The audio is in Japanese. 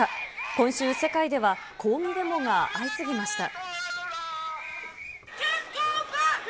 今週、世界では抗議デモが相次ぎました。